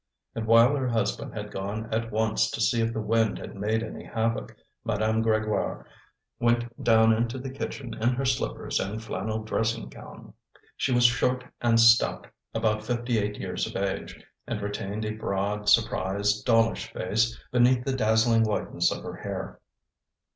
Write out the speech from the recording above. And while her husband had gone at once to see if the wind had made any havoc, Madame Grégoire went down to the kitchen in her slippers and flannel dressing gown. She was short and stout, about fifty eight years of age, and retained a broad, surprised, dollish face beneath the dazzling whiteness of her hair.